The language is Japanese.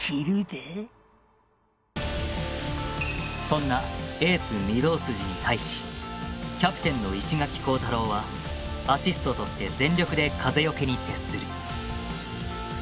そんなエース御堂筋に対しキャプテンの石垣光太郎はアシストとして全力で「風よけ」に徹する。